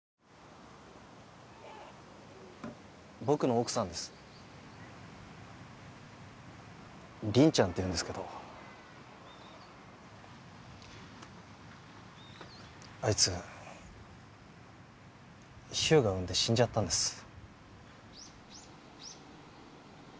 僕の奥さんです鈴ちゃんっていうんですけどあいつ日向産んで死んじゃったんです